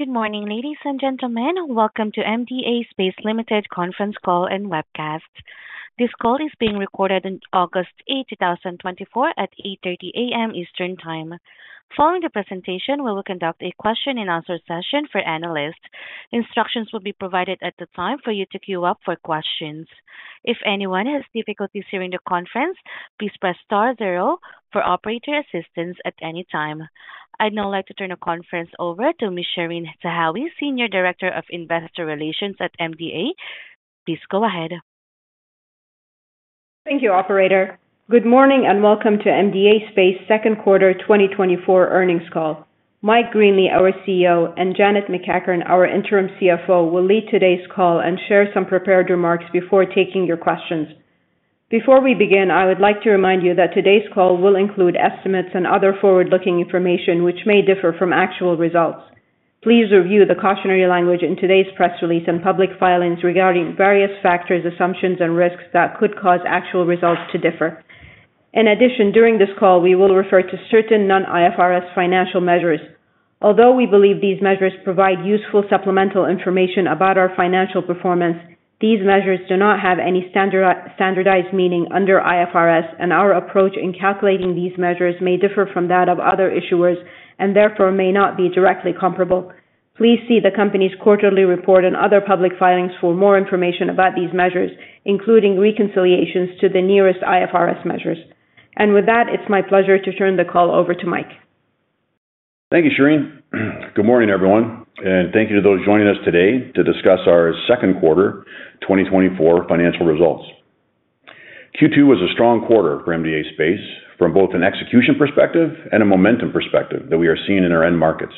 Good morning, ladies and gentlemen. Welcome to MDA Space Limited conference call and webcast. This call is being recorded on August 8, 2024, at 8:30 A.M. Eastern Time. Following the presentation, we will conduct a question-and-answer session for analysts. Instructions will be provided at the time for you to queue up for questions. If anyone has difficulties hearing the conference, please press star zero for operator assistance at any time. I'd now like to turn the conference over to Ms. Shereen Zahawi, Senior Director of Investor Relations at MDA. Please go ahead. Thank you, Operator. Good morning and welcome to MDA Space second quarter 2024 earnings call. Mike Greenley, our CEO, and Janet McEachern, our interim CFO, will lead today's call and share some prepared remarks before taking your questions. Before we begin, I would like to remind you that today's call will include estimates and other forward-looking information which may differ from actual results. Please review the cautionary language in today's press release and public filings regarding various factors, assumptions, and risks that could cause actual results to differ. In addition, during this call, we will refer to certain non-IFRS financial measures. Although we believe these measures provide useful supplemental information about our financial performance, these measures do not have any standardized meaning under IFRS, and our approach in calculating these measures may differ from that of other issuers and therefore may not be directly comparable. Please see the company's quarterly report and other public filings for more information about these measures, including reconciliations to the nearest IFRS measures. With that, it's my pleasure to turn the call over to Mike. Thank you, Shereen. Good morning, everyone, and thank you to those joining us today to discuss our second quarter 2024 financial results. Q2 was a strong quarter for MDA Space from both an execution perspective and a momentum perspective that we are seeing in our end markets.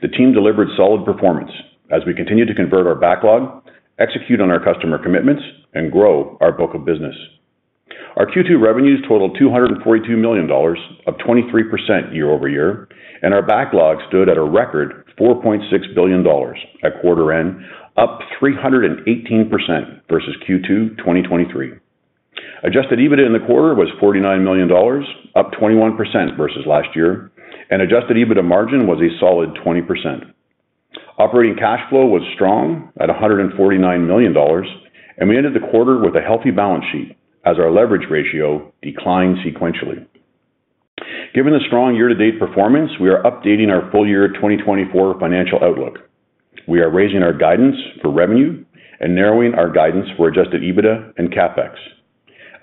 The team delivered solid performance as we continued to convert our backlog, execute on our customer commitments, and grow our book of business. Our Q2 revenues totaled 242 million dollars, up 23% year-over-year, and our backlog stood at a record 4.6 billion dollars at quarter end, up 318% versus Q2 2023. Adjusted EBITDA in the quarter was 49 million dollars, up 21% versus last year, and adjusted EBITDA margin was a solid 20%. Operating cash flow was strong at 149 million dollars, and we ended the quarter with a healthy balance sheet as our leverage ratio declined sequentially. Given the strong year-to-date performance, we are updating our full year 2024 financial outlook. We are raising our guidance for revenue and narrowing our guidance for Adjusted EBITDA and CapEx.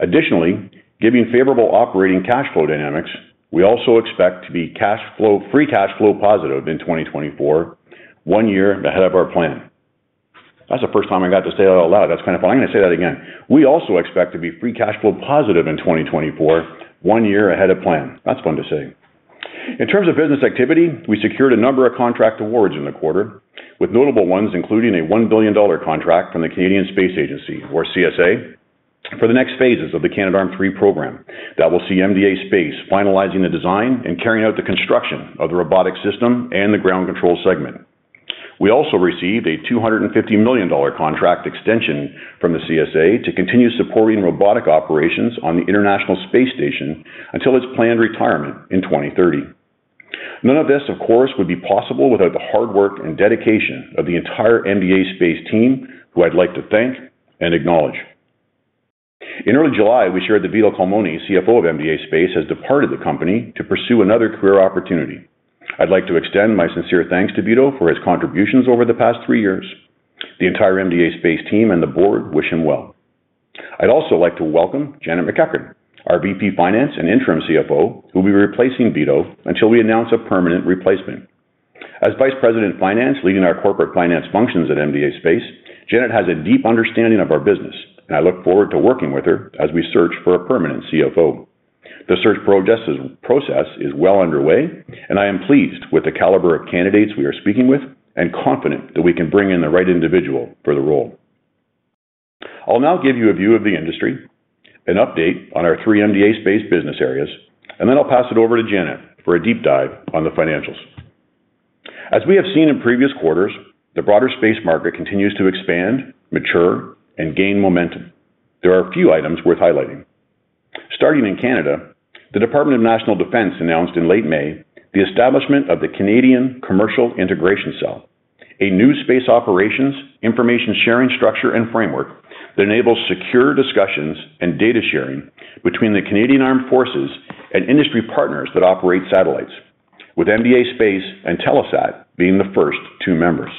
Additionally, given favorable operating cash flow dynamics, we also expect to be free cash flow positive in 2024, one year ahead of our plan. That's the first time I got to say that out loud. That's kind of fun. I'm going to say that again. We also expect to be free cash flow positive in 2024, one year ahead of plan. That's fun to say. In terms of business activity, we secured a number of contract awards in the quarter, with notable ones including a $1 billion contract from the Canadian Space Agency, or CSA, for the next phases of the Canadarm3 program that will see MDA Space finalizing the design and carrying out the construction of the robotic system and the ground control segment. We also received a $250 million contract extension from the CSA to continue supporting robotic operations on the International Space Station until its planned retirement in 2030. None of this, of course, would be possible without the hard work and dedication of the entire MDA Space team, who I'd like to thank and acknowledge. In early July, we shared that Vito Culmone, CFO of MDA Space, has departed the company to pursue another career opportunity. I'd like to extend my sincere thanks to Vito for his contributions over the past three years. The entire MDA Space team and the board wish him well. I'd also like to welcome Janet McEachern, our VP Finance and Interim CFO, who will be replacing Vito until we announce a permanent replacement. As Vice President Finance, leading our corporate finance functions at MDA Space, Janet has a deep understanding of our business, and I look forward to working with her as we search for a permanent CFO. The search process is well underway, and I am pleased with the caliber of candidates we are speaking with and confident that we can bring in the right individual for the role. I'll now give you a view of the industry, an update on our three MDA Space business areas, and then I'll pass it over to Janet for a deep dive on the financials. As we have seen in previous quarters, the broader space market continues to expand, mature, and gain momentum. There are a few items worth highlighting. Starting in Canada, the Department of National Defence announced in late May the establishment of the Canadian Commercial Integration Cell, a new space operations information sharing structure and framework that enables secure discussions and data sharing between the Canadian Armed Forces and industry partners that operate satellites, with MDA Space and Telesat being the first two members.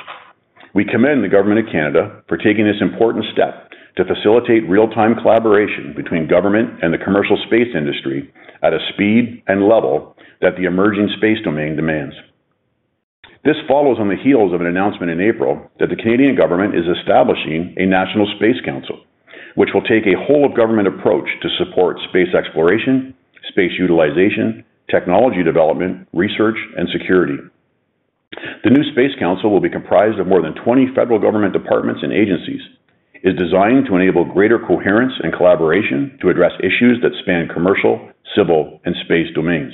We commend the Government of Canada for taking this important step to facilitate real-time collaboration between government and the commercial space industry at a speed and level that the emerging space domain demands. This follows on the heels of an announcement in April that the Canadian government is establishing a National Space Council, which will take a whole-of-government approach to support space exploration, space utilization, technology development, research, and security. The new Space Council will be comprised of more than 20 federal government departments and agencies, designed to enable greater coherence and collaboration to address issues that span commercial, civil, and space domains.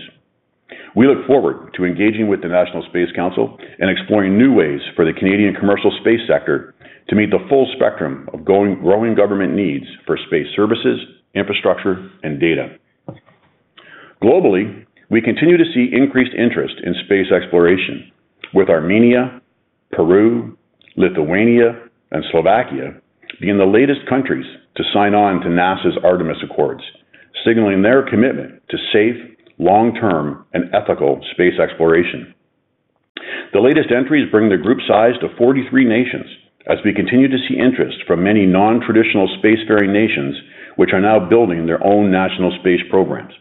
We look forward to engaging with the National Space Council and exploring new ways for the Canadian commercial space sector to meet the full spectrum of growing government needs for space services, infrastructure, and data. Globally, we continue to see increased interest in space exploration, with Armenia, Peru, Lithuania, and Slovakia being the latest countries to sign on to NASA's Artemis Accords, signaling their commitment to safe, long-term, and ethical space exploration. The latest entries bring the group size to 43 nations as we continue to see interest from many non-traditional spacefaring nations, which are now building their own national space programs,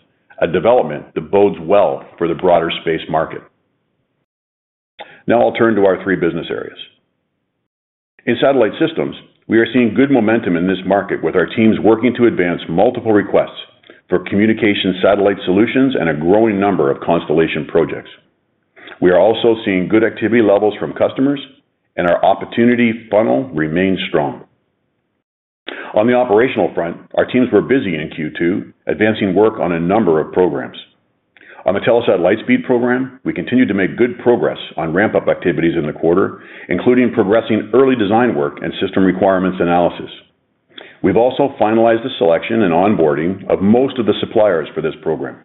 a development that bodes well for the broader space market. Now I'll turn to our three business areas. In satellite systems, we are seeing good momentum in this market with our teams working to advance multiple requests for communication satellite solutions and a growing number of constellation projects. We are also seeing good activity levels from customers, and our opportunity funnel remains strong. On the operational front, our teams were busy in Q2, advancing work on a number of programs. On the Telesat Lightspeed program, we continue to make good progress on ramp-up activities in the quarter, including progressing early design work and system requirements analysis. We've also finalized the selection and onboarding of most of the suppliers for this program,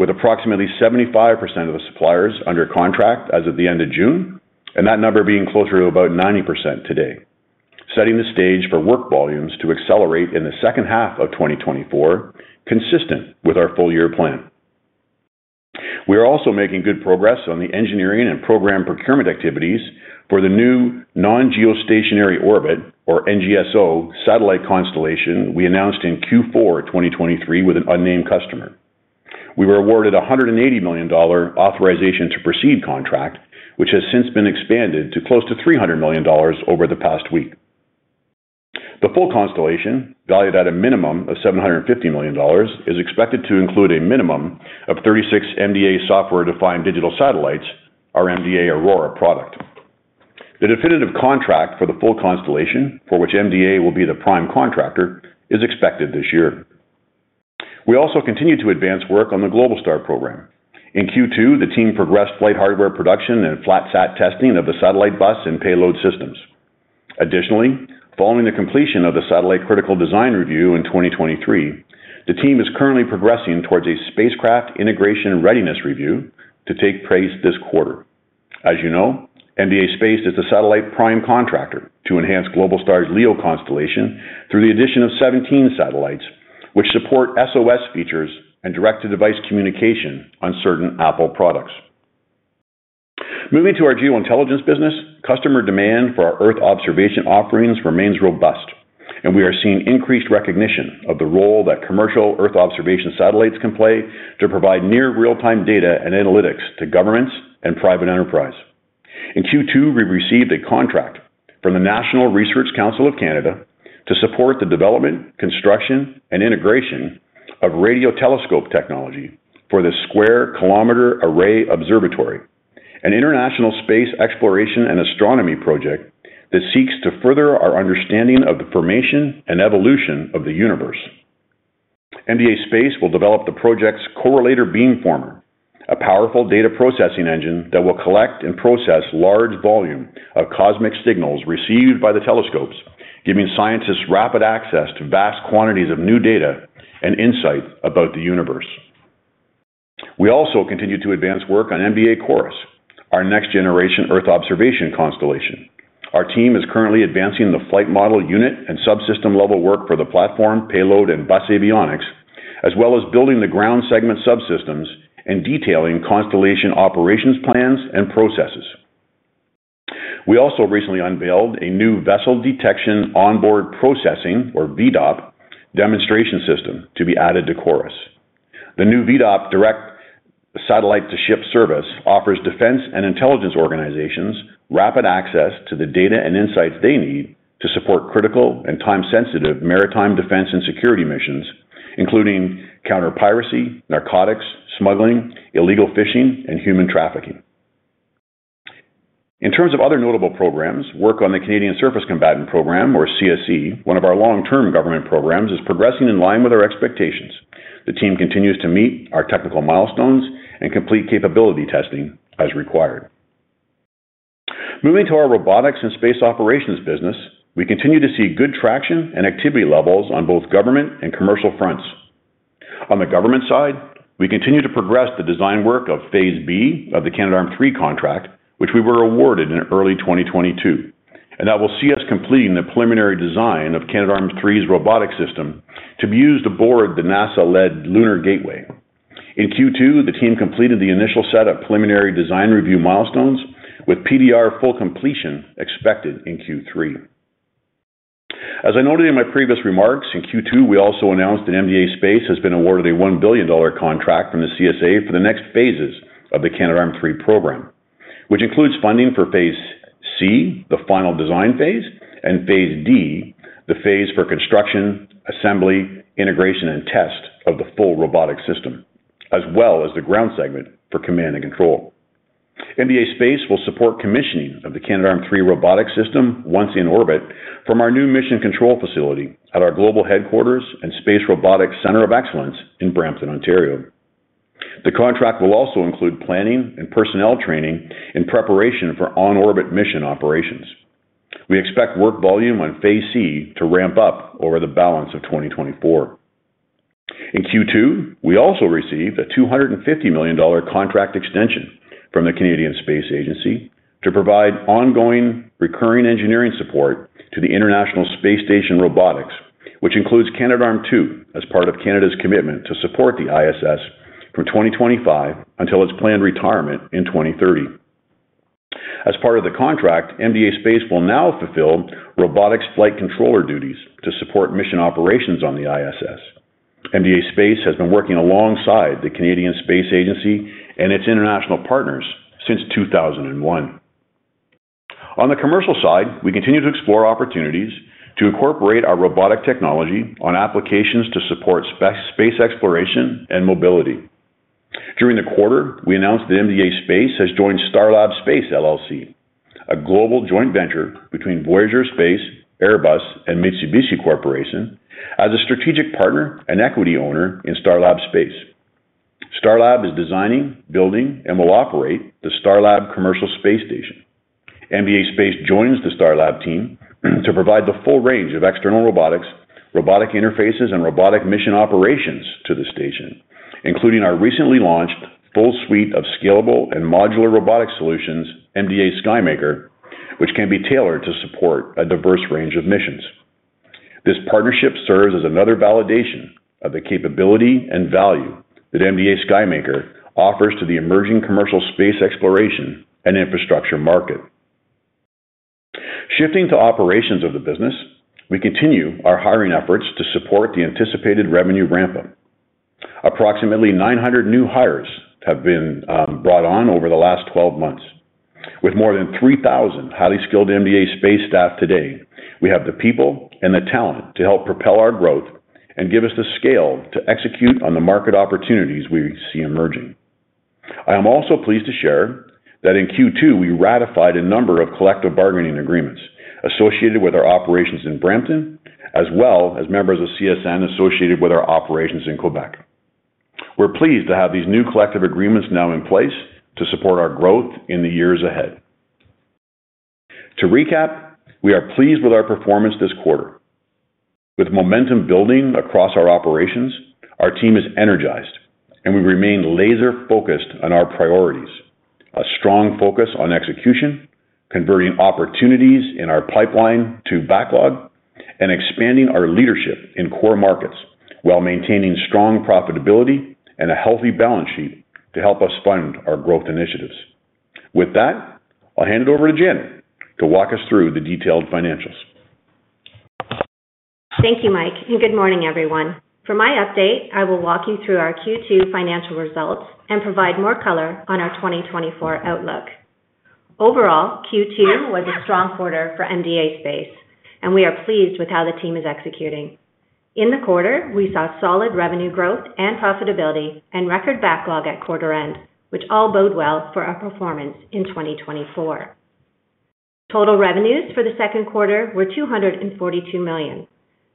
with approximately 75% of the suppliers under contract as of the end of June, and that number being closer to about 90% today, setting the stage for work volumes to accelerate in the second half of 2024, consistent with our full year plan. We are also making good progress on the engineering and program procurement activities for the new non-geostationary orbit, or NGSO, satellite constellation we announced in Q4 2023 with an unnamed customer. We were awarded a 180 million dollar authorization to proceed contract, which has since been expanded to close to 300 million dollars over the past week. The full constellation, valued at a minimum of 750 million dollars, is expected to include a minimum of 36 MDA software-defined digital satellites, our MDA Aurora product. The definitive contract for the full constellation, for which MDA will be the prime contractor, is expected this year. We also continue to advance work on the Globalstar program. In Q2, the team progressed flight hardware production and flat-sat testing of the satellite bus and payload systems. Additionally, following the completion of the satellite critical design review in 2023, the team is currently progressing towards a spacecraft integration readiness review to take place this quarter. As you know, MDA Space is the satellite prime contractor to enhance Globalstar's LEO constellation through the addition of 17 satellites, which support SOS features and direct-to-device communication on certain Apple products. Moving to our Geointelligence business, customer demand for our Earth observation offerings remains robust, and we are seeing increased recognition of the role that commercial Earth observation satellites can play to provide near real-time data and analytics to governments and private enterprise. In Q2, we received a contract from the National Research Council of Canada to support the development, construction, and integration of radio telescope technology for the Square Kilometer Array Observatory, an international space exploration and astronomy project that seeks to further our understanding of the formation and evolution of the universe. MDA Space will develop the project's correlator beamformer, a powerful data processing engine that will collect and process large volumes of cosmic signals received by the telescopes, giving scientists rapid access to vast quantities of new data and insights about the universe. We also continue to advance work on MDA CORUS, our next-generation Earth observation constellation. Our team is currently advancing the flight model unit and subsystem level work for the platform, payload, and bus avionics, as well as building the ground segment subsystems and detailing constellation operations plans and processes. We also recently unveiled a new vessel detection onboard processing, or VDOP, demonstration system to be added to CORUS. The new VDOP direct satellite-to-ship service offers defense and intelligence organizations rapid access to the data and insights they need to support critical and time-sensitive maritime defense and security missions, including counterpiracy, narcotics, smuggling, illegal fishing, and human trafficking. In terms of other notable programs, work on the Canadian Surface Combatant Program, or CSC, one of our long-term government programs, is progressing in line with our expectations. The team continues to meet our technical milestones and complete capability testing as required. Moving to our robotics and space operations business, we continue to see good traction and activity levels on both government and commercial fronts. On the government side, we continue to progress the design work of Phase B of the Canadarm3 contract, which we were awarded in early 2022, and that will see us completing the preliminary design of Canadarm3's robotic system to be used aboard the NASA-led Lunar Gateway. In Q2, the team completed the initial set of preliminary design review milestones, with PDR full completion expected in Q3. As I noted in my previous remarks, in Q2, we also announced that MDA Space has been awarded a 1 billion dollar contract from the CSA for the next phases of the Canadarm3 program, which includes funding for Phase C, the final design phase, and Phase D, the phase for construction, assembly, integration, and test of the full robotic system, as well as the ground segment for command and control. MDA Space will support commissioning of the Canadarm3 robotic system once in orbit from our new mission control facility at our global headquarters and Space Robotics Center of Excellence in Brampton, Ontario. The contract will also include planning and personnel training in preparation for on-orbit mission operations. We expect work volume on Phase C to ramp up over the balance of 2024. In Q2, we also received a $250 million contract extension from the Canadian Space Agency to provide ongoing recurring engineering support to the International Space Station Robotics, which includes Canadarm2 as part of Canada's commitment to support the ISS from 2025 until its planned retirement in 2030. As part of the contract, MDA Space will now fulfill robotics flight controller duties to support mission operations on the ISS. MDA Space has been working alongside the Canadian Space Agency and its international partners since 2001. On the commercial side, we continue to explore opportunities to incorporate our robotic technology on applications to support space exploration and mobility. During the quarter, we announced that MDA Space has joined Starlab Space LLC, a global joint venture between Voyager Space, Airbus, and Mitsubishi Corporation, as a strategic partner and equity owner in Starlab Space. Starlab is designing, building, and will operate the Starlab Commercial Space Station. MDA Space joins the Starlab team to provide the full range of external robotics, robotic interfaces, and robotic mission operations to the station, including our recently launched full suite of scalable and modular robotic solutions, MDA SkyMaker, which can be tailored to support a diverse range of missions. This partnership serves as another validation of the capability and value that MDA SkyMaker offers to the emerging commercial space exploration and infrastructure market. Shifting to operations of the business, we continue our hiring efforts to support the anticipated revenue ramp-up. Approximately 900 new hires have been brought on over the last 12 months. With more than 3,000 highly skilled MDA Space staff today, we have the people and the talent to help propel our growth and give us the scale to execute on the market opportunities we see emerging. I am also pleased to share that in Q2, we ratified a number of collective bargaining agreements associated with our operations in Brampton, as well as members of CSN associated with our operations in Quebec. We're pleased to have these new collective agreements now in place to support our growth in the years ahead. To recap, we are pleased with our performance this quarter. With momentum building across our operations, our team is energized, and we remain laser-focused on our priorities: a strong focus on execution, converting opportunities in our pipeline to backlog, and expanding our leadership in core markets while maintaining strong profitability and a healthy balance sheet to help us fund our growth initiatives. With that, I'll hand it over to Janet to walk us through the detailed financials. Thank you, Mike. Good morning, everyone. For my update, I will walk you through our Q2 financial results and provide more color on our 2024 outlook. Overall, Q2 was a strong quarter for MDA Space, and we are pleased with how the team is executing. In the quarter, we saw solid revenue growth and profitability and record backlog at quarter end, which all bodes well for our performance in 2024. Total revenues for the second quarter were 242 million.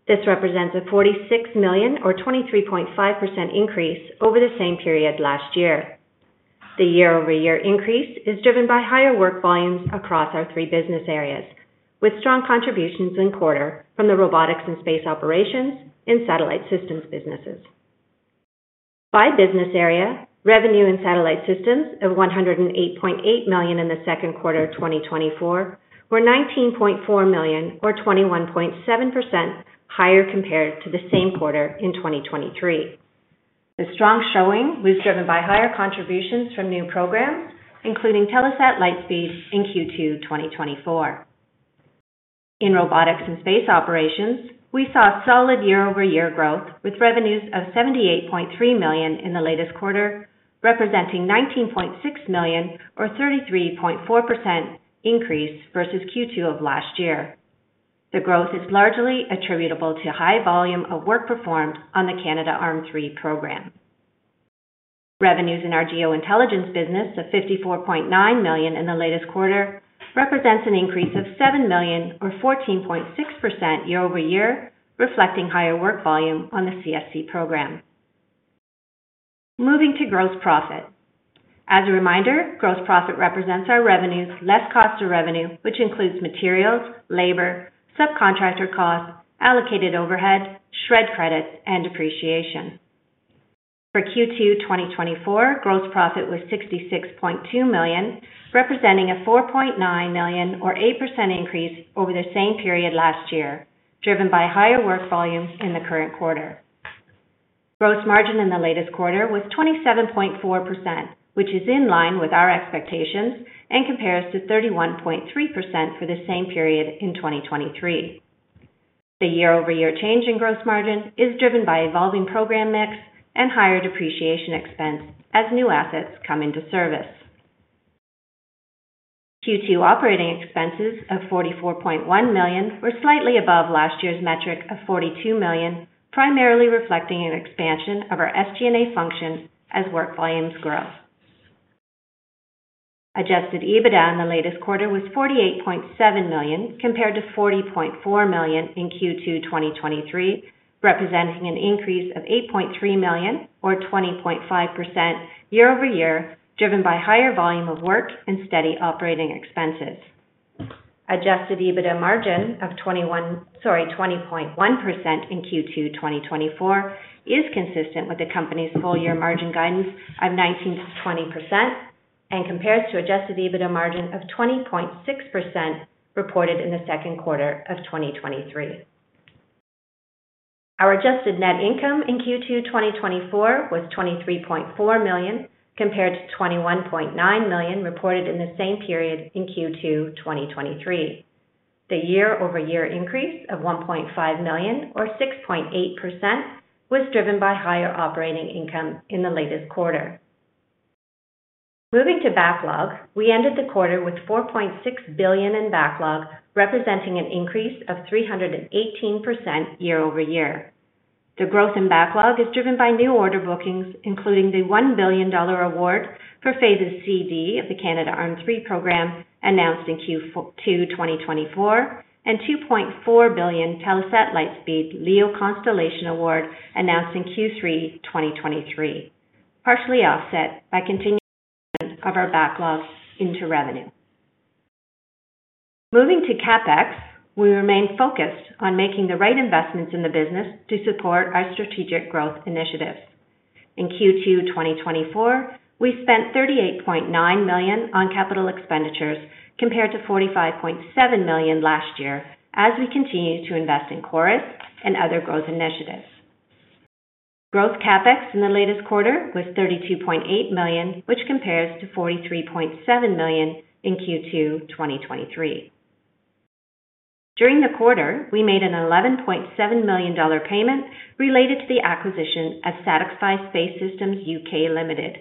This represents a $46 million, or 23.5% increase, over the same period last year. The year-over-year increase is driven by higher work volumes across our three business areas, with strong contributions in quarter from the robotics and space operations and satellite systems businesses. By business area, revenue in satellite systems of $108.8 million in the second quarter of 2024 were $19.4 million, or 21.7% higher compared to the same quarter in 2023. The strong showing was driven by higher contributions from new programs, including Telesat Lightspeed in Q2 2024. In robotics and space operations, we saw solid year-over-year growth, with revenues of $78.3 million in the latest quarter, representing $19.6 million, or 33.4% increase versus Q2 of last year. The growth is largely attributable to high volume of work performed on the Canadarm3 program. Revenues in our geointelligence business of 54.9 million in the latest quarter represents an increase of 7 million, or 14.6% year-over-year, reflecting higher work volume on the CSC program. Moving to gross profit. As a reminder, gross profit represents our revenues, less cost of revenue, which includes materials, labor, subcontractor costs, allocated overhead, shred credits, and depreciation. For Q2 2024, gross profit was CAD 66.2 million, representing a CAD 4.9 million, or 8% increase over the same period last year, driven by higher work volume in the current quarter. Gross margin in the latest quarter was 27.4%, which is in line with our expectations and compares to 31.3% for the same period in 2023. The year-over-year change in gross margin is driven by evolving program mix and higher depreciation expense as new assets come into service. Q2 operating expenses of 44.1 million were slightly above last year's metric of 42 million, primarily reflecting an expansion of our SG&A function as work volumes grow. Adjusted EBITDA in the latest quarter was 48.7 million, compared to 40.4 million in Q2 2023, representing an increase of 8.3 million, or 20.5% year-over-year, driven by higher volume of work and steady operating expenses. Adjusted EBITDA margin of 20.1% in Q2 2024 is consistent with the company's full-year margin guidance of 19.20% and compares to adjusted EBITDA margin of 20.6% reported in the second quarter of 2023. Our adjusted net income in Q2 2024 was 23.4 million, compared to 21.9 million reported in the same period in Q2 2023. The year-over-year increase of 1.5 million, or 6.8%, was driven by higher operating income in the latest quarter. Moving to backlog, we ended the quarter with $4.6 billion in backlog, representing an increase of 318% year-over-year. The growth in backlog is driven by new order bookings, including the $1 billion award for Phase CD of the Canadarm3 program announced in Q2 2024 and $2.4 billion Telesat Lightspeed LEO constellation award announced in Q3 2023, partially offset by continuing of our backlog into revenue. Moving to CapEx, we remain focused on making the right investments in the business to support our strategic growth initiatives. In Q2 2024, we spent $38.9 million on capital expenditures compared to $45.7 million last year, as we continue to invest in CORUS and other growth initiatives. Growth CapEx in the latest quarter was $32.8 million, which compares to $43.7 million in Q2 2023. During the quarter, we made an $11.7 million payment related to the acquisition of Satisfi Space Systems UK Limited,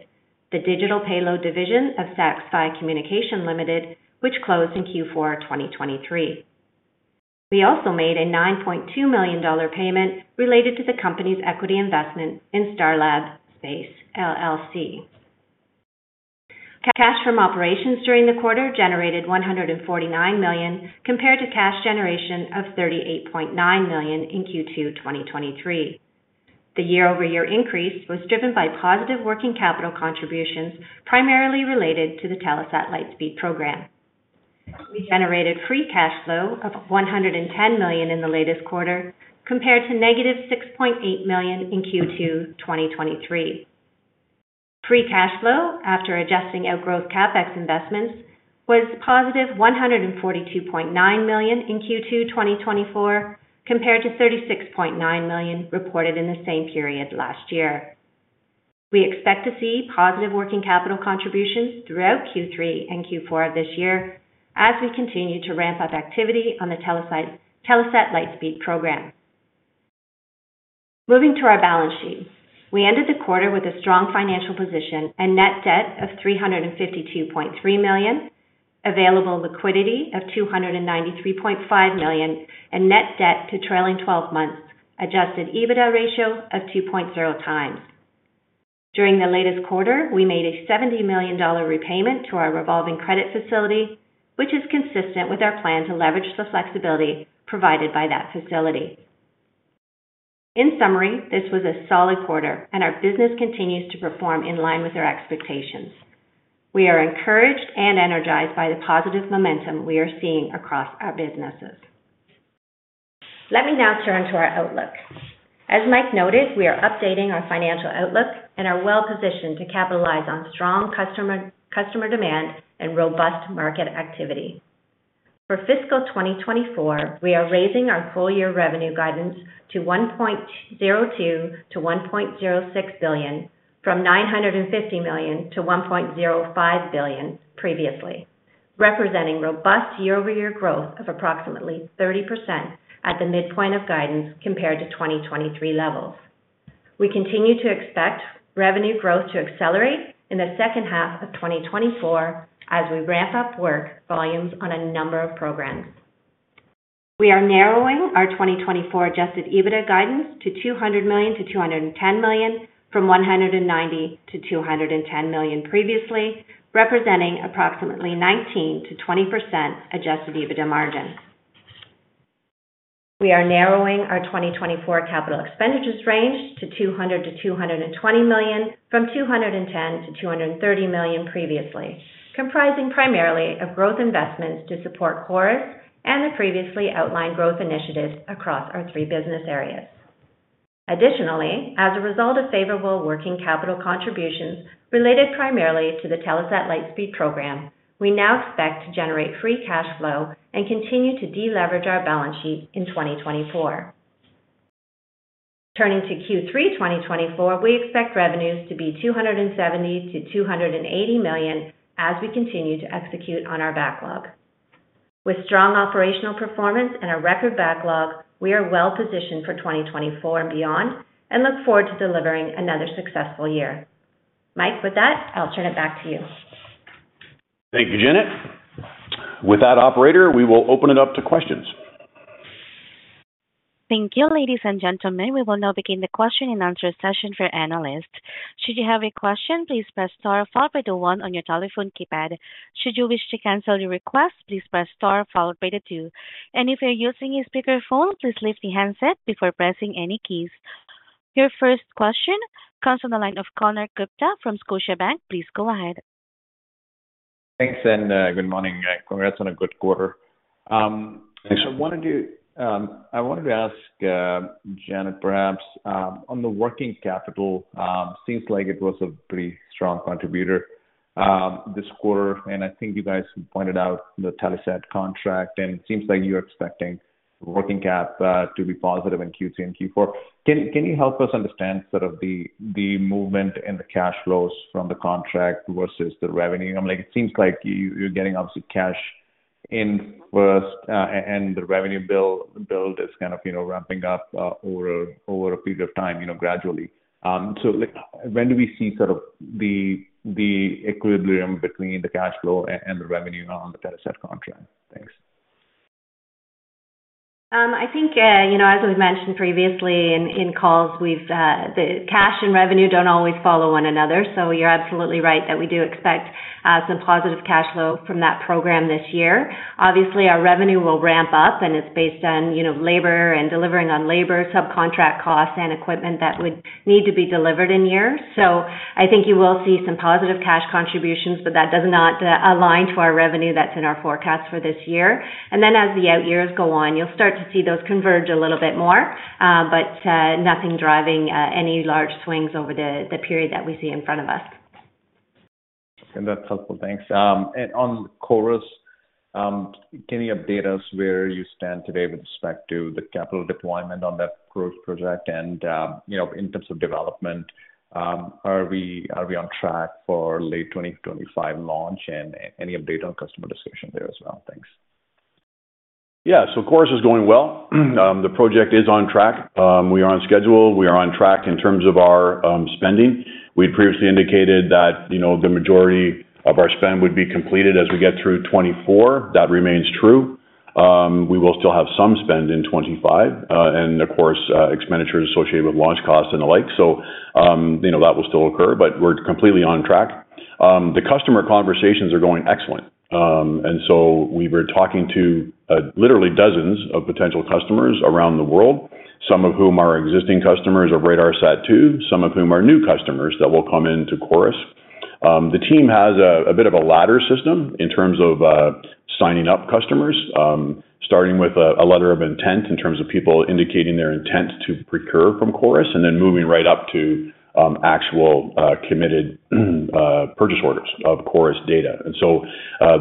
the digital payload division of Satisfi Communication Limited, which closed in Q4 2023. We also made a $9.2 million payment related to the company's equity investment in Starlab Space LLC. Cash from operations during the quarter generated $149 million, compared to cash generation of $38.9 million in Q2 2023. The year-over-year increase was driven by positive working capital contributions, primarily related to the Telesat Lightspeed program. We generated free cash flow of $110 million in the latest quarter, compared to negative $6.8 million in Q2 2023. Free cash flow, after adjusting our growth CapEx investments, was positive $142.9 million in Q2 2024, compared to $36.9 million reported in the same period last year. We expect to see positive working capital contributions throughout Q3 and Q4 of this year, as we continue to ramp up activity on the Telesat Lightspeed program. Moving to our balance sheet, we ended the quarter with a strong financial position, a net debt of 352.3 million, available liquidity of 293.5 million, and net debt to trailing 12 months adjusted EBITDA ratio of 2.0x. During the latest quarter, we made a 70 million dollar repayment to our revolving credit facility, which is consistent with our plan to leverage the flexibility provided by that facility. In summary, this was a solid quarter, and our business continues to perform in line with our expectations. We are encouraged and energized by the positive momentum we are seeing across our businesses. Let me now turn to our outlook. As Mike noted, we are updating our financial outlook and are well-positioned to capitalize on strong customer demand and robust market activity. For fiscal 2024, we are raising our full-year revenue guidance to 1.02 billion-1.06 billion, from 950 million to 1.05 billion previously, representing robust year-over-year growth of approximately 30% at the midpoint of guidance compared to 2023 levels. We continue to expect revenue growth to accelerate in the second half of 2024 as we ramp up work volumes on a number of programs. We are narrowing our 2024 Adjusted EBITDA guidance to 200 million-210 million, from 190 million to 210 million previously, representing approximately 19.0%-20.0% Adjusted EBITDA margin. We are narrowing our 2024 capital expenditures range to 200 million-220 million, from 210 million-230 million previously, comprising primarily of growth investments to support CORUS and the previously outlined growth initiatives across our three business areas. Additionally, as a result of favorable working capital contributions related primarily to the Telesat Lightspeed program, we now expect to generate free cash flow and continue to deleverage our balance sheet in 2024. Turning to Q3 2024, we expect revenues to be 270 million-280 million as we continue to execute on our backlog. With strong operational performance and a record backlog, we are well-positioned for 2024 and beyond and look forward to delivering another successful year. Mike, with that, I'll turn it back to you. Thank you, Janet. With that, operator, we will open it up to questions. Thank you, ladies and gentlemen. We will now begin the question and answer session for analysts. Should you have a question, please press *5 or *1 on your telephone keypad. Should you wish to cancel your request, please press *5 or *2. And if you're using a speakerphone, please lift the handset before pressing any keys. Your first question comes from the line of Konark Gupta from Scotiabank. Please go ahead. Thanks and good morning. Congrats on a good quarter. So I wanted to, I wanted to ask, Janet perhaps, on the working capital, seems like it was a pretty strong contributor, this quarter. And I think you guys pointed out the Telesat contract, and it seems like you're expecting working cap, to be positive in Q2 and Q4. Can you, can you help us understand sort of the, the movement and the cash flows from the contract versus the revenue? I mean, like, it seems like you, you're getting obviously cash in first, and the revenue build, build is kind of, you know, ramping up, over, over a period of time, you know, gradually. So like, when do we see sort of the, the equilibrium between the cash flow and the revenue on the Telesat contract? Thanks. I think, you know, as we've mentioned previously in, in calls, we've, the cash and revenue don't always follow one another. So you're absolutely right that we do expect, some positive cash flow from that program this year. Obviously, our revenue will ramp up, and it's based on, you know, labor and delivering on labor, subcontract costs, and equipment that would need to be delivered in years. So I think you will see some positive cash contributions, but that does not align to our revenue that's in our forecast for this year. And then, as the out years go on, you'll start to see those converge a little bit more, but nothing driving any large swings over the period that we see in front of us. That's helpful. Thanks. And on CORUS, update us where you stand today with respect to the capital deployment on that CORUS project and, you know, in terms of development, are we on track for late 2025 launch and any update on customer discussion there as well? Thanks. Yeah, so CORUS is going well. The project is on track. We are on schedule. We are on track in terms of our spending. We'd previously indicated that, you know, the majority of our spend would be completed as we get through 2024. That remains true. We will still have some spend in 2025, and of course, expenditures associated with launch costs and the like. So, you know, that will still occur, but we're completely on track. The customer conversations are going excellent. And so we were talking to, literally dozens of potential customers around the world, some of whom are existing customers of RADARSAT-2, some of whom are new customers that will come into CORUS. The team has a, a bit of a ladder system in terms of, signing up customers, starting with a, a letter of intent in terms of people indicating their intent to procure from CORUS and then moving right up to, actual, committed, purchase orders of CORUS data. And so,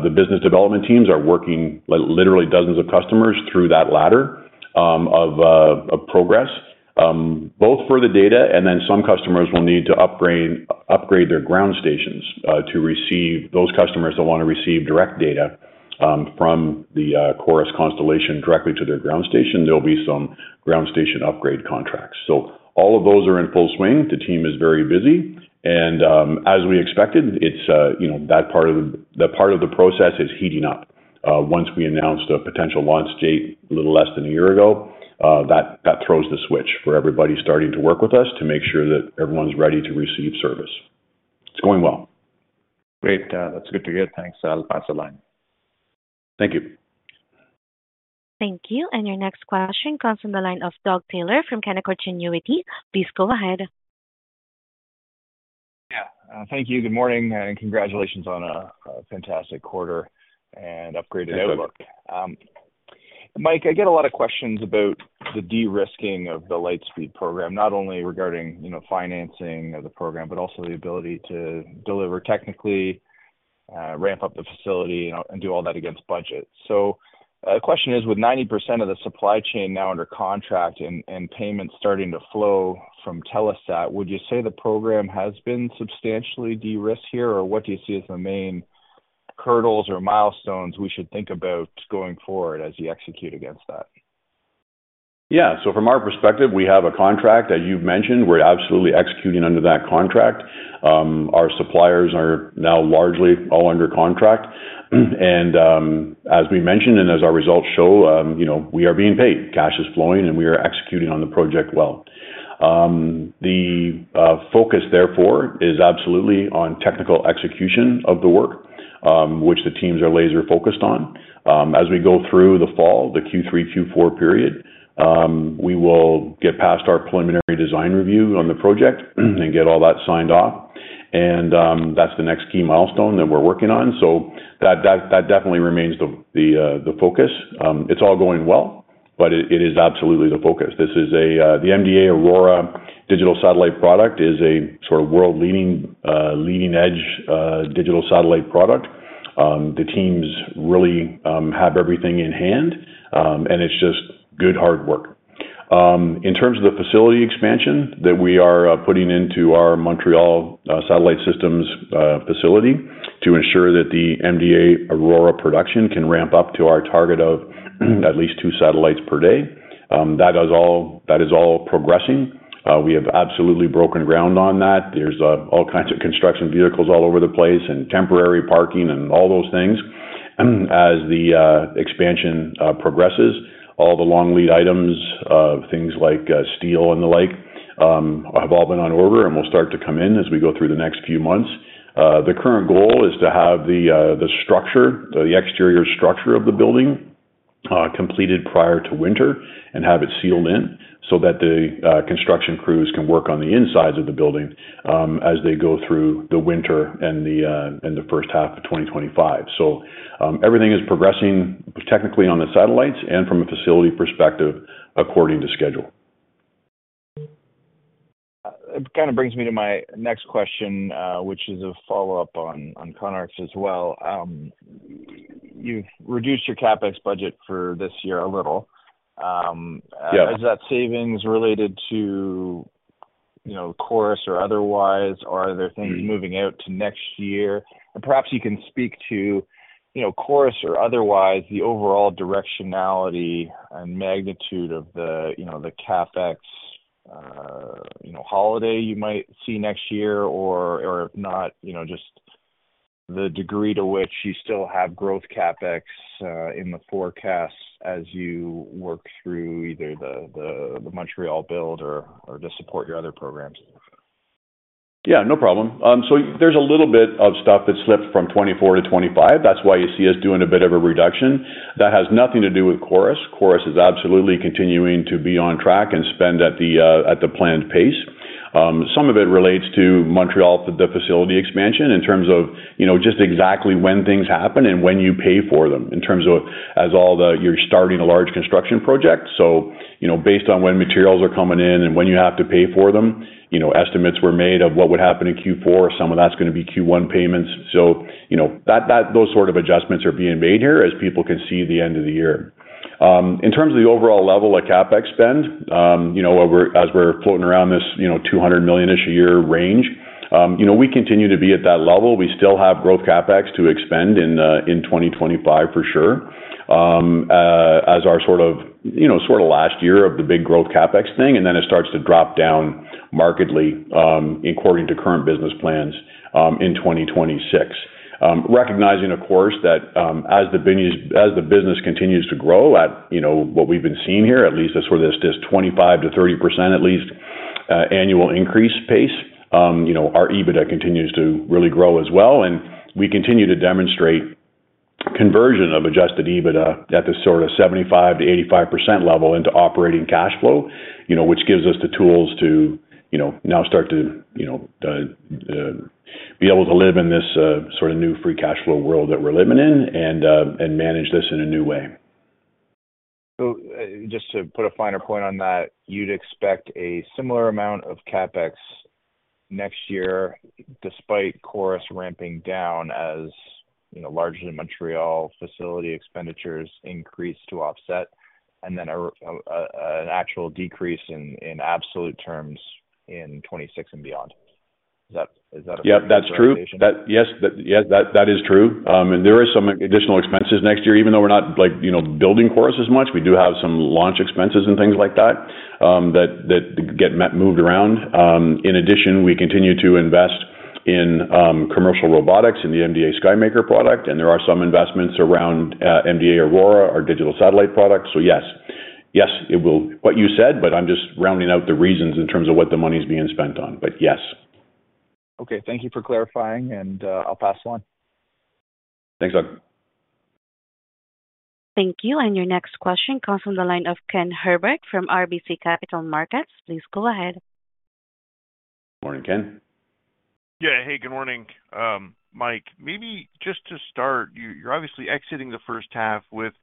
the business development teams are working literally dozens of customers through that ladder, of, of progress, both for the data and then some customers will need to upgrade, upgrade their ground stations, to receive those customers that want to receive direct data, from the, CORUS constellation directly to their ground station. There'll be some ground station upgrade contracts. So all of those are in full swing. The team is very busy. And, as we expected, it's, you know, that part of the, the part of the process is heating up. Once we announced a potential launch date a little less than a year ago, that, that throws the switch for everybody starting to work with us to make sure that everyone's ready to receive service. It's going well. Great. That's good to hear. Thanks. I'll pass the line. Thank you. Thank you. And your next question comes from the line of Doug Taylor from Canaccord Genuity. Please go ahead. Yeah. Thank you. Good morning and congratulations on a fantastic quarter and upgraded outlook. Mike, I get a lot of questions about the de-risking of the Lightspeed program, not only regarding, you know, financing of the program, but also the ability to deliver technically, ramp up the facility and do all that against budget. So, the question is, with 90% of the supply chain now under contract and, and payments starting to flow from Telesat, would you say the program has been substantially de-risked here or what do you see as the main hurdles or milestones we should think about going forward as you execute against that? Yeah. So from our perspective, we have a contract that you've mentioned. We're absolutely executing under that contract. Our suppliers are now largely all under contract. As we mentioned and as our results show, you know, we are being paid. Cash is flowing and we are executing on the project well. The focus therefore is absolutely on technical execution of the work, which the teams are laser-focused on. As we go through the fall, the Q3, Q4 period, we will get past our preliminary design review on the project and get all that signed off. That's the next key milestone that we're working on. So that, that, that definitely remains the, the, the focus. It's all going well, but it, it is absolutely the focus. This is a, the MDA Aurora digital satellite product is a sort of world-leading, leading-edge, digital satellite product. The teams really have everything in hand, and it's just good hard work. In terms of the facility expansion that we are putting into our Montreal satellite systems facility to ensure that the MDA Aurora production can ramp up to our target of at least 2 satellites per day. That is all, that is all progressing. We have absolutely broken ground on that. There's all kinds of construction vehicles all over the place and temporary parking and all those things. And as the expansion progresses, all the long lead items, things like steel and the like, have all been on order and will start to come in as we go through the next few months. The current goal is to have the, the structure, the exterior structure of the building, completed prior to winter and have it sealed in so that the, construction crews can work on the insides of the building, as they go through the winter and the, and the first half of 2025. So, everything is progressing technically on the satellites and from a facility perspective according to schedule. It kind of brings me to my next question, which is a follow-up on, on Conor's as well. You've reduced your CapEx budget for this year a little. Is that savings related to, you know, CORUS or otherwise, or are there things moving out to next year? Perhaps you can speak to, you know, CORUS or otherwise, the overall directionality and magnitude of the, you know, the CapEx, you know, holiday you might see next year or if not, you know, just the degree to which you still have growth CapEx in the forecast as you work through either the Montreal build or to support your other programs. Yeah, no problem. So there's a little bit of stuff that slipped from 2024 to 2025. That's why you see us doing a bit of a reduction. That has nothing to do with CORUS. CORUS is absolutely continuing to be on track and spend at the planned pace. Some of it relates to Montreal, the facility expansion in terms of, you know, just exactly when things happen and when you pay for them in terms of as all the, you're starting a large construction project. So, you know, based on when materials are coming in and when you have to pay for them, you know, estimates were made of what would happen in Q4. Some of that's going to be Q1 payments. So, you know, that, that those sort of adjustments are being made here as people can see the end of the year. In terms of the overall level of CapEx spend, you know, as we're floating around this, you know, 200 million-ish a year range, you know, we continue to be at that level. We still have growth CapEx to expend in, in 2025 for sure. As our sort of, you know, sort of last year of the big growth CapEx thing, and then it starts to drop down markedly, according to current business plans, in 2026. Recognizing, of course, that, as the business, as the business continues to grow at, you know, what we've been seeing here, at least that's where this is 25%-30% at least, annual increase pace. You know, our EBITDA continues to really grow as well. And we continue to demonstrate conversion of Adjusted EBITDA at this sort of 75%-85% level into operating cash flow, you know, which gives us the tools to, you know, now start to, you know, be able to live in this, sort of new free cash flow world that we're living in and, and manage this in a new way. So just to put a finer point on that, you'd expect a similar amount of CapEx next year despite CORUS ramping down as, you know, largely Montreal facility expenditures increase to offset and then an actual decrease in absolute terms in 2026 and beyond. Is that, is that a? Yeah, that's true. That, yes, that, yes, that, that is true. And there are some additional expenses next year, even though we're not like, you know, building CORUS as much, we do have some launch expenses and things like that that get moved around. In addition, we continue to invest in commercial robotics in the MDA SkyMaker product, and there are some investments around MDA Aurora, our digital satellite product. So yes, yes, it will, what you said, but I'm just rounding out the reasons in terms of what the money's being spent on, but yes. Okay. Thank you for clarifying and, I'll pass on. Thanks, Doug. Thank you. And your next question comes from the line of Ken Herbert from RBC Capital Markets. Please go ahead. Morning, Ken. Yeah. Hey, good morning. Mike, maybe just to start, you, you're obviously exiting the first half with,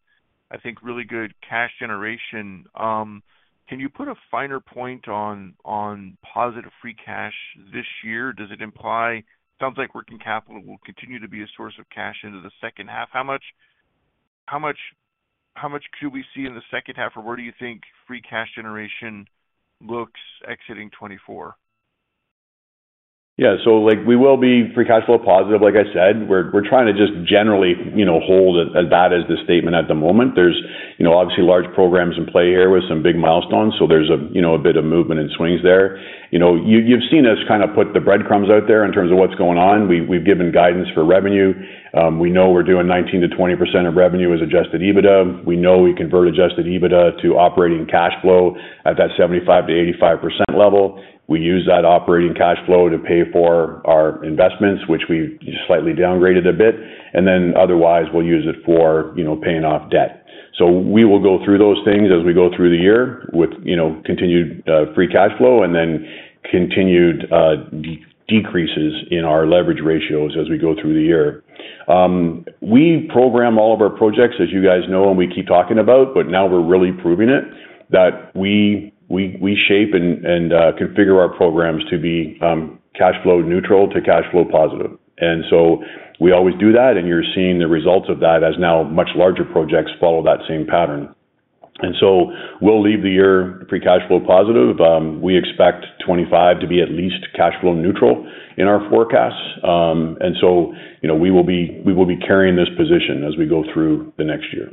I think, really good cash generation. Can you put a finer point on, on positive free cash this year? Does it imply it sounds like working capital will continue to be a source of cash into the second half? How much, how much, how much could we see in the second half or where do you think free cash generation looks exiting 2024? Yeah. So like we will be free cash flow positive. Like I said, we're trying to just generally, you know, hold as best as the statement at the moment. There's, you know, obviously large programs in play here with some big milestones. So there's a, you know, a bit of movement and swings there. You know, you've seen us kind of put the breadcrumbs out there in terms of what's going on. We've given guidance for revenue. We know we're doing 19%-20% of revenue as Adjusted EBITDA. We know we convert Adjusted EBITDA to operating cash flow at that 75%-85% level. We use that operating cash flow to pay for our investments, which we've slightly downgraded a bit. And then otherwise we'll use it for, you know, paying off debt. So we will go through those things as we go through the year with, you know, continued free cash flow and then continued decreases in our leverage ratios as we go through the year. We program all of our projects as you guys know, and we keep talking about, but now we're really proving it that we shape and configure our programs to be cash flow neutral to cash flow positive. And so we always do that. And you're seeing the results of that as now much larger projects follow that same pattern. And so we'll leave the year free cash flow positive. We expect 2025 to be at least cash flow neutral in our forecasts. And so, you know, we will be carrying this position as we go through the next year.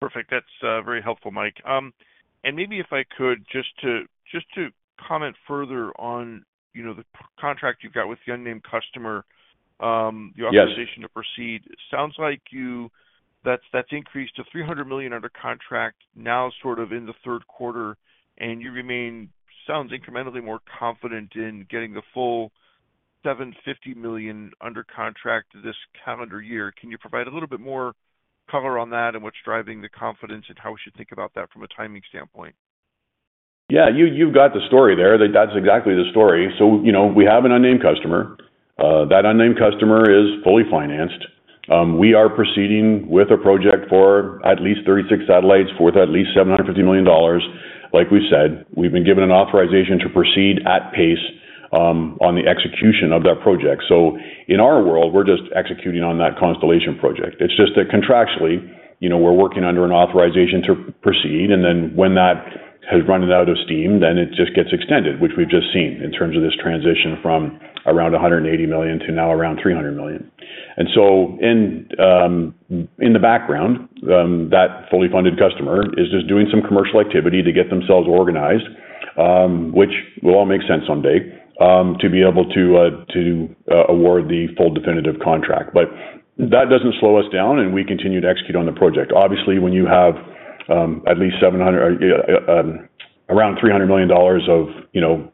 Perfect. That's very helpful, Mike. Maybe if I could just to comment further on, you know, the contract you've got with the unnamed customer, the authorization to proceed. Sounds like that's increased to 300 million under contract now sort of in the third quarter. And you remain, sounds incrementally more confident in getting the full 750 million under contract this calendar year. Can you provide a little bit more color on that and what's driving the confidence and how we should think about that from a timing standpoint? Yeah. You've got the story there. That's exactly the story. So, you know, we have an unnamed customer. That unnamed customer is fully financed. We are proceeding with a project for at least 36 satellites worth at least 750 million dollars. Like we've said, we've been given an authorization to proceed at pace, on the execution of that project. So in our world, we're just executing on that constellation project. It's just that contractually, you know, we're working under an authorization to proceed. Then when that has run out of steam, then it just gets extended, which we've just seen in terms of this transition from around 180 million to now around 300 million. So in the background, that fully funded customer is just doing some commercial activity to get themselves organized, which will all make sense someday, to be able to award the full definitive contract. But that doesn't slow us down and we continue to execute on the project. Obviously, when you have at least 700, around 300 million dollars of, you know,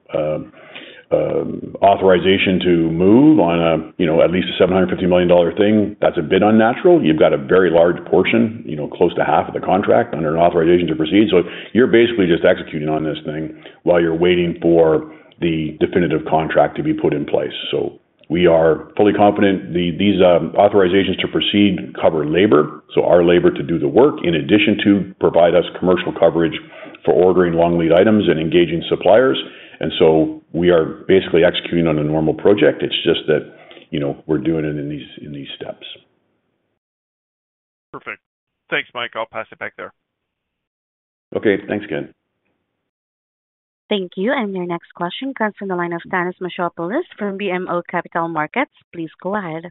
authorization to move on a you know at least a 750 million dollar thing, that's a bit unnatural. You've got a very large portion, you know, close to half of the contract under an Authorization to Proceed. So you're basically just executing on this thing while you're waiting for the definitive contract to be put in place. So we are fully confident these authorizations to proceed cover labor. So our labor to do the work in addition to provide us commercial coverage for ordering long lead items and engaging suppliers. And so we are basically executing on a normal project. It's just that, you know, we're doing it in these steps. Perfect. Thanks, Mike. I'll pass it back there. Okay. Thanks, Ken. Thank you. And your next question comes from the line of Dennis Michelle Polis from BMO Capital Markets. Please go ahead.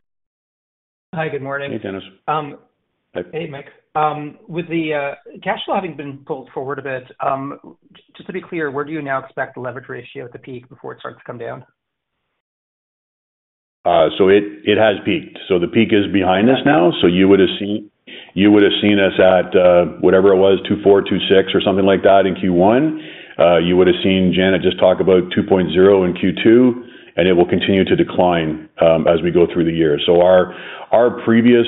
Hi, good morning. Hey, Dennis. Hey, Mike. With the cash flow having been pulled forward a bit, just to be clear, where do you now expect the leverage ratio at the peak before it starts to come down? So it has peaked. So the peak is behind us now. So you would have seen us at, whatever it was, 2.4, 2.6 or something like that in Q1. You would have seen Janet just talk about 2.0 in Q2 and it will continue to decline, as we go through the year. So our previous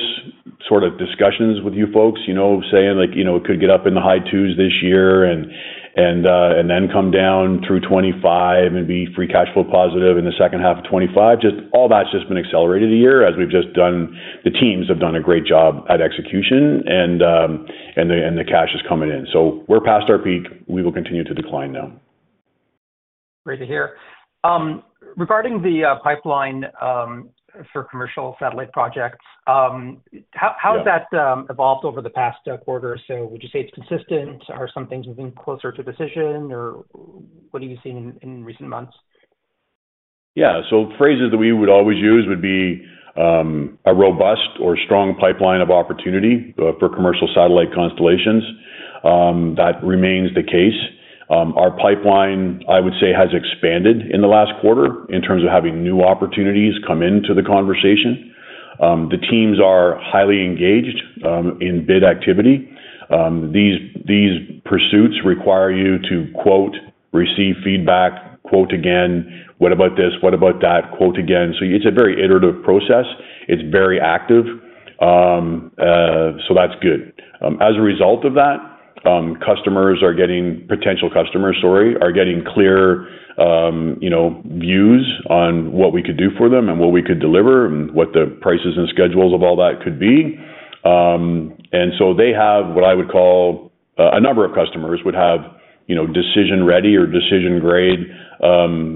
sort of discussions with you folks, you know, saying like, you know, it could get up in the high twos this year and then come down through 2025 and be free cash flow positive in the second half of 2025. Just all that's just been accelerated a year as we've just done, the teams have done a great job at execution and, and the, and the cash is coming in. So we're past our peak. We will continue to decline now. Great to hear. Regarding the pipeline for commercial satellite projects, how has that evolved over the past quarter or so? Would you say it's consistent? Are some things moving closer to decision or what have you seen in recent months? Yeah. So phrases that we would always use would be a robust or strong pipeline of opportunity for commercial satellite constellations. That remains the case. Our pipeline, I would say, has expanded in the last quarter in terms of having new opportunities come into the conversation. The teams are highly engaged in bid activity. These, these pursuits require you to quote, receive feedback, quote again, what about this, what about that, quote again. So it's a very iterative process. It's very active. So that's good. As a result of that, customers are getting potential customers, sorry, are getting clear, you know, views on what we could do for them and what we could deliver and what the prices and schedules of all that could be. And so they have what I would call, a number of customers would have, you know, decision ready or decision grade,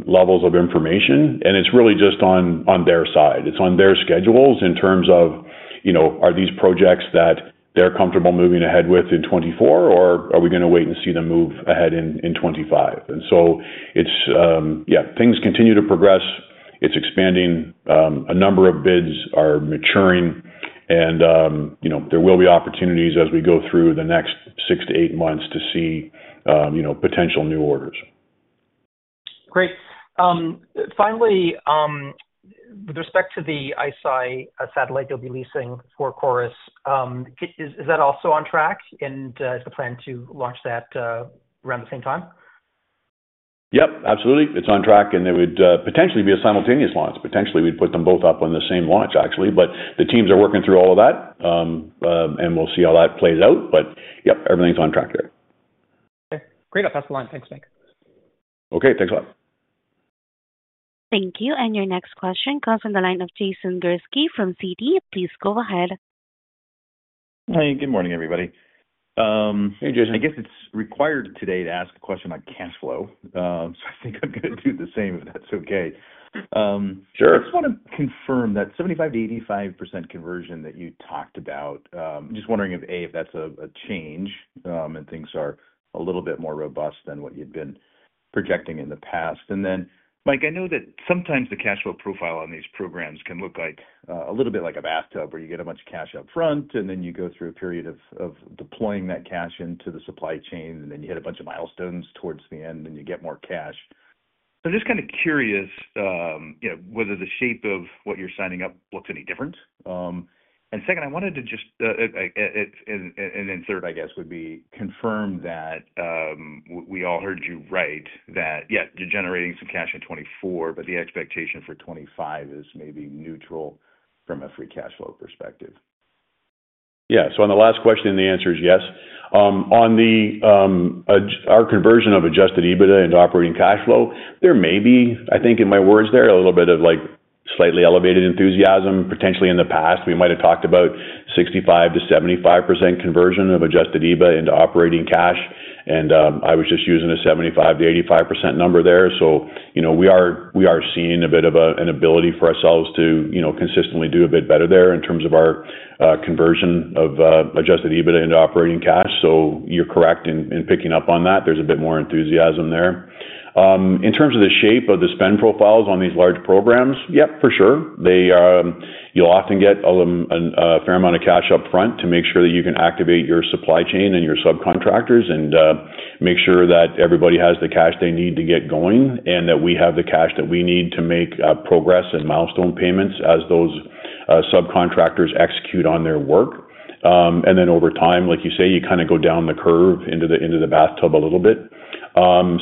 levels of information. And it's really just on, on their side. It's on their schedules in terms of, you know, are these projects that they're comfortable moving ahead with in 2024 or are we going to wait and see them move ahead in, in 2025? And so it's, yeah, things continue to progress. It's expanding. A number of bids are maturing and, you know, there will be opportunities as we go through the next 6-8 months to see, you know, potential new orders. Great. Finally, with respect to the ISI satellite you'll be leasing for CORUS, is, is that also on track and, is the plan to launch that, around the same time? Yep, absolutely. It's on track and it would, potentially be a simultaneous launch. Potentially we'd put them both up on the same launch actually, but the teams are working through all of that. And we'll see how that plays out, but yep, everything's on track there. Okay. Great. I'll pass the line. Thanks, Mike. Okay. Thanks a lot. Thank you. And your next question comes from the line of Jason Gursky from Citi. Please go ahead. Hi, good morning everybody. Hey Jason, I guess it's required today to ask a question on cash flow. So I think I'm going to do the same if that's okay. Sure. I just want to confirm that 75%-85% conversion that you talked about, just wondering if, A, if that's a change, and things are a little bit more robust than what you'd been projecting in the past. And then, Mike, I know that sometimes the cash flow profile on these programs can look like a little bit like a bathtub where you get a bunch of cash up front and then you go through a period of deploying that cash into the supply chain and then you hit a bunch of milestones towards the end and you get more cash. So I'm just kind of curious, you know, whether the shape of what you're signing up looks any different. And second, I wanted to just, then third, I guess would be to confirm that we all heard you right, that yeah, you're generating some cash in 2024, but the expectation for 2025 is maybe neutral from a free cash flow perspective. Yeah. So on the last question, the answer is yes. On the our conversion of Adjusted EBITDA into operating cash flow, there may be, I think in my words there, a little bit of like slightly elevated enthusiasm. Potentially in the past, we might've talked about 65%-75% conversion of Adjusted EBITDA into operating cash. And I was just using a 75%-85% number there. So, you know, we are seeing a bit of an ability for ourselves to, you know, consistently do a bit better there in terms of our conversion of Adjusted EBITDA into operating cash. So you're correct in picking up on that. There's a bit more enthusiasm there. In terms of the shape of the spend profiles on these large programs, yep, for sure. They are, you'll often get a fair amount of cash up front to make sure that you can activate your supply chain and your subcontractors and, make sure that everybody has the cash they need to get going and that we have the cash that we need to make progress and milestone payments as those subcontractors execute on their work. And then over time, like you say, you kind of go down the curve into the bathtub a little bit.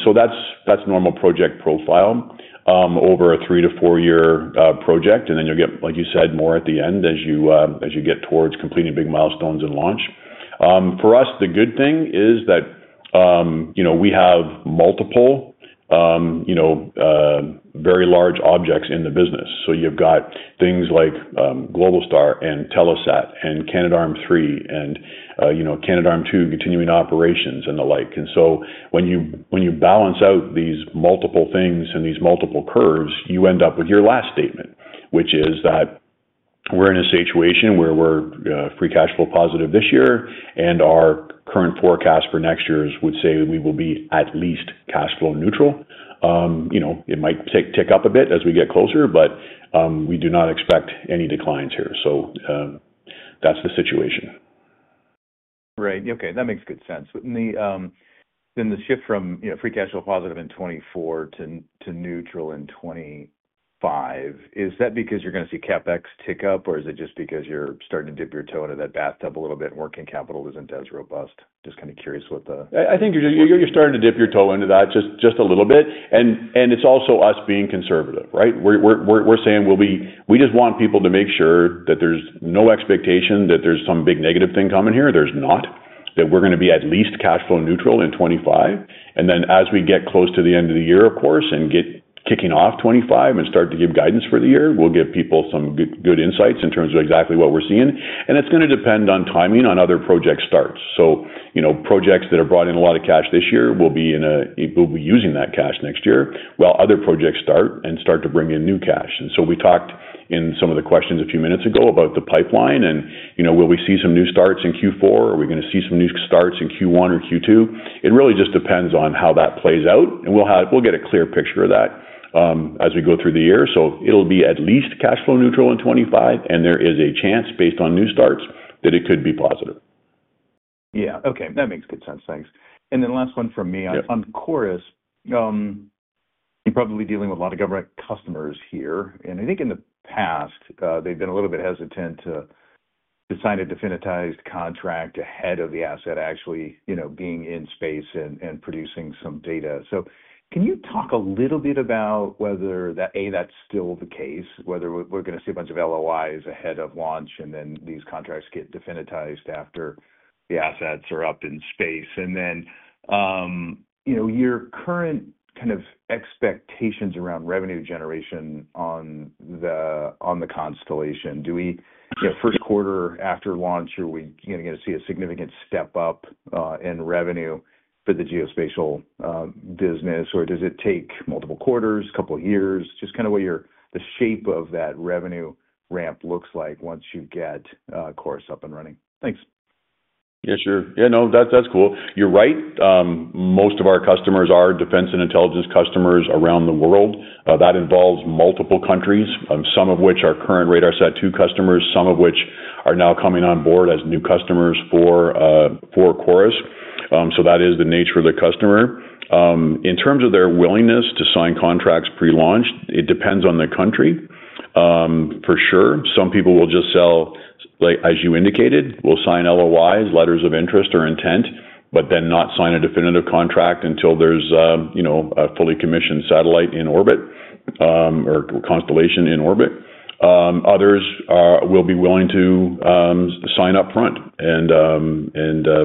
So that's normal project profile, over a three- to four-year project. And then you'll get, like you said, more at the end as you get towards completing big milestones and launch. For us, the good thing is that, you know, we have multiple, you know, very large objects in the business. So you've got things like Globalstar and Telesat and Canadarm3 and, you know, Canadarm2 continuing operations and the like. And so when you, when you balance out these multiple things and these multiple curves, you end up with your last statement, which is that we're in a situation where we're free cash flow positive this year. And our current forecast for next year would say that we will be at least cash flow neutral. You know, it might tick up a bit as we get closer, but we do not expect any declines here. So, that's the situation. Right. Okay. That makes good sense. Then the shift from, you know, free cash flow positive in 2024 to neutral in 2025, is that because you're going to see CapEx tick up or is it just because you're starting to dip your toe into that bathtub a little bit and working capital isn't as robust? Just kind of curious what the. I think you're starting to dip your toe into that just a little bit. And it's also us being conservative, right? We're saying we'll be. We just want people to make sure that there's no expectation that there's some big negative thing coming here. There's not that we're going to be at least cash flow neutral in 2025. And then as we get close to the end of the year, of course, and get kicking off 2025 and start to give guidance for the year, we'll give people some good, good insights in terms of exactly what we're seeing. And it's going to depend on timing on other project starts. So, you know, projects that have brought in a lot of cash this year will be in a, will be using that cash next year while other projects start and start to bring in new cash. And so we talked in some of the questions a few minutes ago about the pipeline and, you know, will we see some new starts in Q4? Are we going to see some new starts in Q1 or Q2? It really just depends on how that plays out and we'll have, we'll get a clear picture of that, as we go through the year. So it'll be at least cash flow neutral in 2025 and there is a chance based on new starts that it could be positive. Yeah. Okay. That makes good sense. Thanks. And then last one from me on, on CORUS, you probably be dealing with a lot of government customers here. And I think in the past, they've been a little bit hesitant to sign a definitized contract ahead of the asset actually, you know, being in space and, and producing some data. So can you talk a little bit about whether that, A, that's still the case, whether we're going to see a bunch of LOIs ahead of launch and then these contracts get definitized after the assets are up in space. And then, you know, your current kind of expectations around revenue generation on the, on the constellation, do we, you know, first quarter after launch, are we going to see a significant step up, in revenue for the geospatial, business or does it take multiple quarters, a couple of years, just kind of what you're, the shape of that revenue ramp looks like once you get, CORUS up and running? Thanks. Yeah, sure. Yeah. No, that, that's cool. You're right. Most of our customers are defense and intelligence customers around the world. That involves multiple countries, some of which are current RADARSAT-2 customers, some of which are now coming on board as new customers for, for CORUS. So that is the nature of the customer. In terms of their willingness to sign contracts pre-launch, it depends on the country. For sure. Some people will just sell, like as you indicated, will sign LOIs, letters of interest or intent, but then not sign a definitive contract until there's, you know, a fully commissioned satellite in orbit, or constellation in orbit. Others will be willing to sign up front and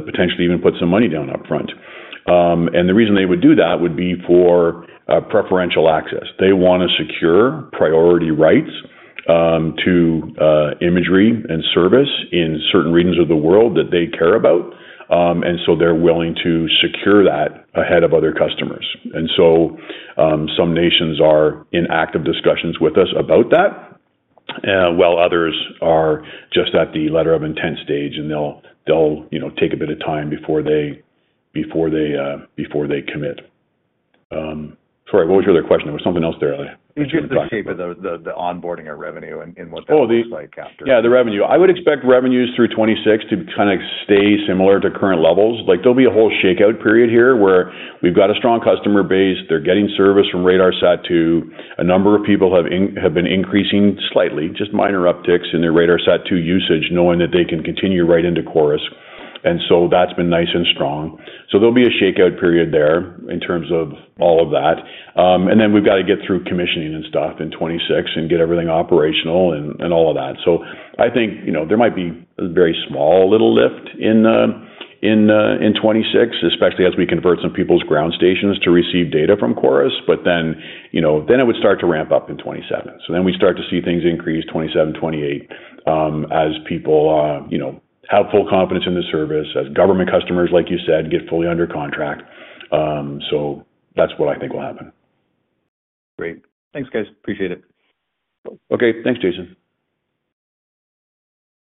potentially even put some money down up front. And the reason they would do that would be for preferential access. They want to secure priority rights to imagery and service in certain regions of the world that they care about. And so they're willing to secure that ahead of other customers. And so some nations are in active discussions with us about that, while others are just at the letter of intent stage and they'll you know take a bit of time before they commit. Sorry, what was your other question? There was something else there. Did you get the shape of the onboarding or revenue and what that looks like after? Well, yeah, the revenue. I would expect revenues through 2026 to kind of stay similar to current levels. Like there'll be a whole shakeout period here where we've got a strong customer base. They're getting service from RADARSAT-2. A number of people have been increasing slightly, just minor upticks in their RADARSAT-2 usage, knowing that they can continue right into CORUS. And so that's been nice and strong. So there'll be a shakeout period there in terms of all of that. And then we've got to get through commissioning and stuff in 2026 and get everything operational and all of that. So I think, you know, there might be a very small little lift in 2026, especially as we convert some people's ground stations to receive data from CORUS. But then, you know, then it would start to ramp up in 2027. So then we start to see things increase 2027, 2028, as people, you know, have full confidence in the service as government customers, like you said, get fully under contract. So that's what I think will happen. Great. Thanks, guys. Appreciate it. Okay. Thanks, Jason.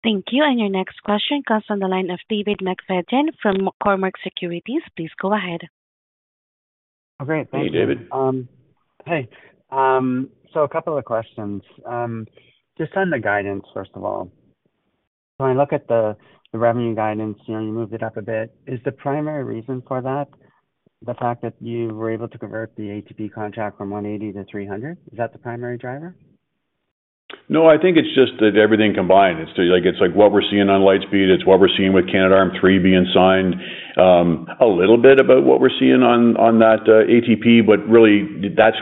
Thank you. And your next question comes from the line of David McFadgen from Cormark Securities. Please go ahead. All right. Thanks. Hey, David. Hey. So a couple of questions. Just on the guidance, first of all. So I look at the revenue guidance, you know, you moved it up a bit. Is the primary reason for that the fact that you were able to convert the ATP contract from 180-300? Is that the primary driver? No, I think it's just that everything combined. It's like, it's like what we're seeing on Lightspeed. It's what we're seeing with Canadarm3 being signed, a little bit about what we're seeing on that ATP, but really, that's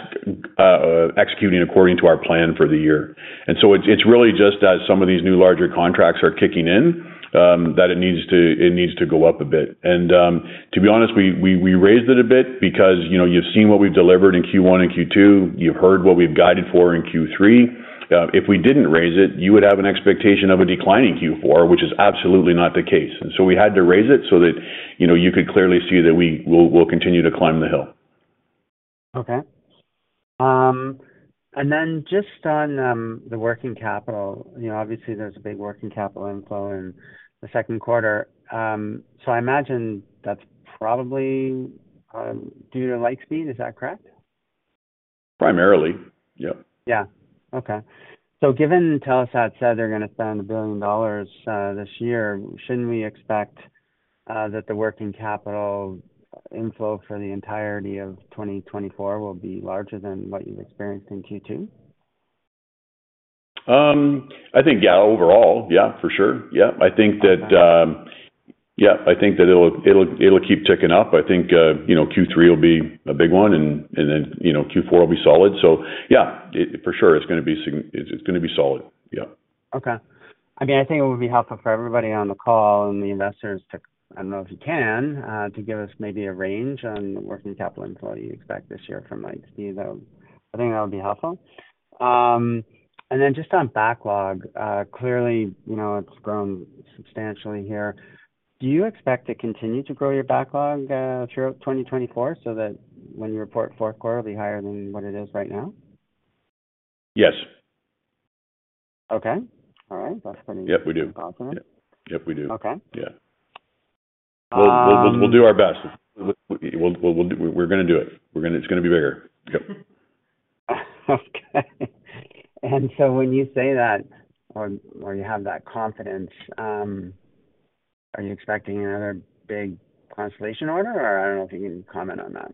executing according to our plan for the year. So it's really just as some of these new larger contracts are kicking in, that it needs to go up a bit. To be honest, we raised it a bit because, you know, you've seen what we've delivered in Q1 and Q2. You've heard what we've guided for in Q3. If we didn't raise it, you would have an expectation of a declining Q4, which is absolutely not the case. And so we had to raise it so that, you know, you could clearly see that we will, will continue to climb the hill. Okay. And then just on the working capital, you know, obviously there's a big working capital inflow in the second quarter. So I imagine that's probably due to Lightspeed. Is that correct? Primarily. Yep. Yeah. Okay. So given Telesat said they're going to spend 1 billion dollars this year, shouldn't we expect that the working capital inflow for the entirety of 2024 will be larger than what you've experienced in Q2? I think, yeah, overall, yeah, for sure. Yeah. I think that, yeah, I think that it'll, it'll, it'll keep ticking up. I think, you know, Q3 will be a big one and then, you know, Q4 will be solid. So yeah, it for sure is going to be, it's going to be solid. Yeah. Okay. I mean, I think it would be helpful for everybody on the call and the investors to, I don't know if you can, to give us maybe a range on working capital inflow you expect this year from Lightspeed. I think that would be helpful. And then just on backlog, clearly, you know, it's grown substantially here. Do you expect to continue to grow your backlog throughout 2024 so that when you report fourth quarter, be higher than what it is right now? Yes. Okay. All right. That's pretty good. Yep, we do. Awesome. Yep, we do. Okay. Yeah. We'll do our best. We'll, we're going to do it. We're going to, it's going to be bigger. Yep. Okay. So when you say that, or you have that confidence, are you expecting another big constellation order or I don't know if you can comment on that?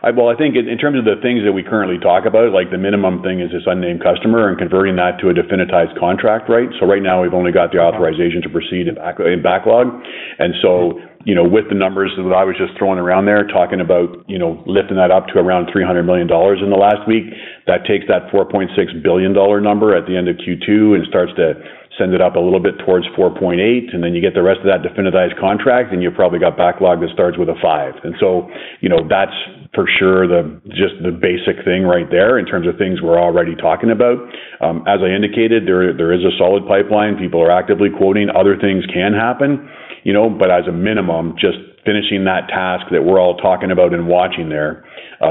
Well, I think in terms of the things that we currently talk about, like the minimum thing is this unnamed customer and converting that to a definitized contract, right? So right now we've only got the authorization to proceed in backlog. And so, you know, with the numbers that I was just throwing around there, talking about, you know, lifting that up to around $300 million in the last week, that takes that $4.6 billion number at the end of Q2 and starts to send it up a little bit towards $4.8. And then you get the rest of that definitized contract and you've probably got backlog that starts with a five. And so, you know, that's for sure the, just the basic thing right there in terms of things we're already talking about. As I indicated, there, there is a solid pipeline. People are actively quoting. Other things can happen, you know, but as a minimum, just finishing that task that we're all talking about and watching there,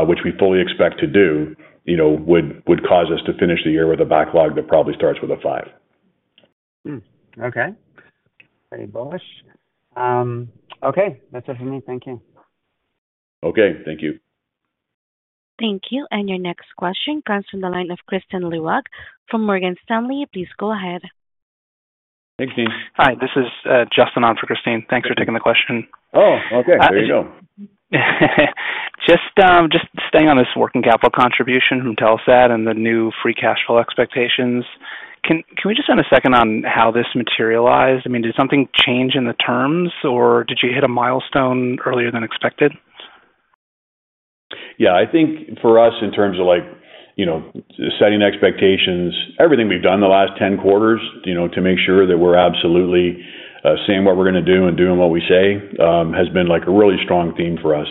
which we fully expect to do, you know, would, would cause us to finish the year with a backlog that probably starts with a five. Okay. Very bullish. Okay. That's it for me. Thank you. Okay. Thank you. Thank you. And your next question comes from the line of Kristine Tran from Morgan Stanley. Please go ahead. Thanks, Dean. Hi, this is, Justin on for Kristine. Thanks for taking the question. Oh, okay. There you go. Just staying on this working capital contribution from Telesat and the new free cash flow expectations. Can we just spend a second on how this materialized? I mean, did something change in the terms or did you hit a milestone earlier than expected? Yeah, I think for us in terms of like, you know, setting expectations, everything we've done the last 10 quarters, you know, to make sure that we're absolutely seeing what we're going to do and doing what we say, has been like a really strong theme for us.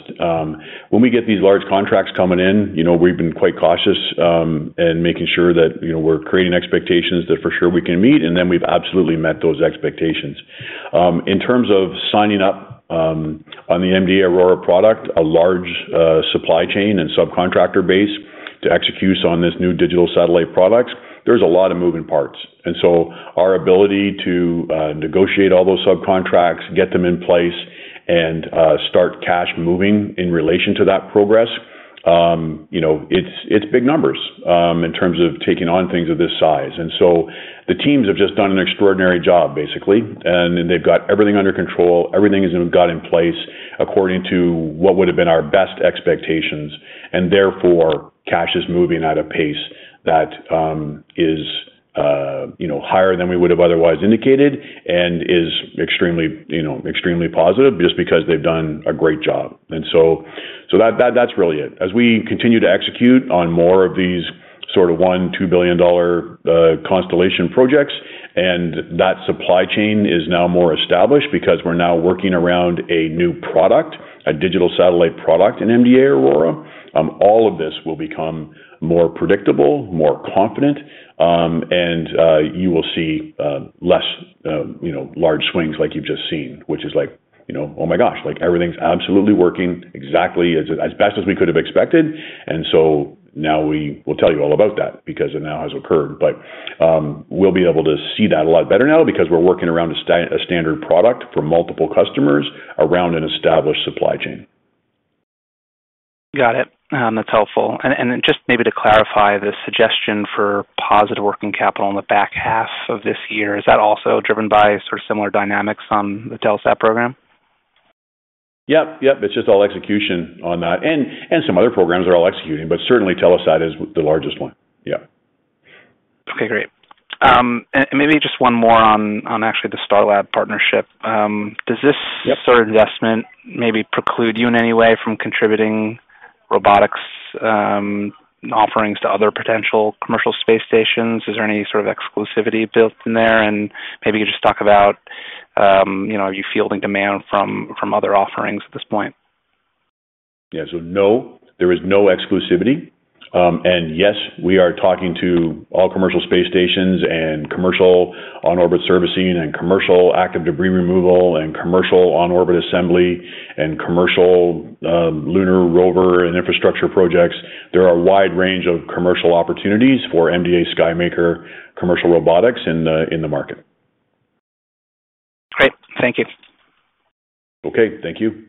When we get these large contracts coming in, you know, we've been quite cautious, and making sure that, you know, we're creating expectations that for sure we can meet and then we've absolutely met those expectations. In terms of signing up, on the MDA Aurora product, a large supply chain and subcontractor base to execute on this new digital satellite products, there's a lot of moving parts. And so our ability to negotiate all those subcontracts, get them in place and start cash moving in relation to that progress, you know, it's, it's big numbers, in terms of taking on things of this size. And so the teams have just done an extraordinary job basically, and they've got everything under control. Everything has got in place according to what would have been our best expectations, and therefore cash is moving at a pace that is, you know, higher than we would have otherwise indicated and is extremely, you know, extremely positive just because they've done a great job. And so, so that, that, that's really it. As we continue to execute on more of these sort of $1-$2 billion constellation projects and that supply chain is now more established because we're now working around a new product, a digital satellite product in MDA Aurora, all of this will become more predictable, more confident, and, you will see, less, you know, large swings like you've just seen, which is like, you know, oh my gosh, like everything's absolutely working exactly as best as we could have expected. And so now we will tell you all about that because it now has occurred. But, we'll be able to see that a lot better now because we're working around a standard product for multiple customers around an established supply chain. Got it. That's helpful. And then just maybe to clarify the suggestion for positive working capital in the back half of this year, is that also driven by sort of similar dynamics on the Telesat program? Yep. Yep. It's just all execution on that. And some other programs are all executing, but certainly Telesat is the largest one. Yeah. Okay. Great. And maybe just one more on actually the Starlab partnership. Does this sort of investment maybe preclude you in any way from contributing robotics offerings to other potential commercial space stations? Is there any sort of exclusivity built in there? And maybe you just talk about, you know, are you fielding demand from other offerings at this point? Yeah. So no, there is no exclusivity. And yes, we are talking to all commercial space stations and commercial on-orbit servicing and commercial active debris removal and commercial on-orbit assembly and commercial lunar rover and infrastructure projects. There are a wide range of commercial opportunities for MDA SkyMaker commercial robotics in the, in the market. Great. Thank you. Okay. Thank you.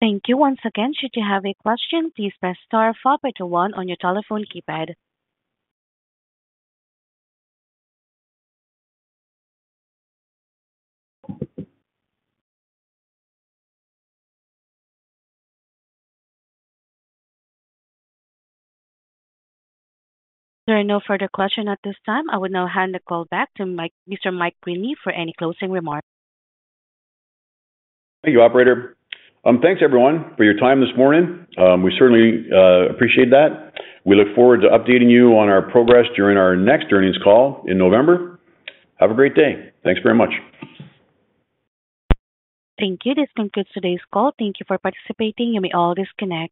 Thank you once again. Should you have a question, please press star 5 or 21 on your telephone keypad. There are no further questions at this time. I will now hand the call back to Mike, Mr. Mike Greenley for any closing remarks. Thank you, operator. Thanks everyone for your time this morning. We certainly appreciate that. We look forward to updating you on our progress during our next earnings call in November. Have a great day. Thanks very much. Thank you. This concludes today's call. Thank you for participating. You may all disconnect.